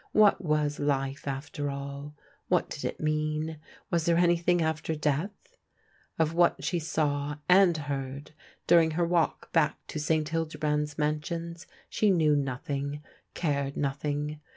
What was life after all? What did it mean? Was there anything after death? Of what she saw and heard during her walk back to St. Hildebrand's Mansions she knew nothing, cared nothing.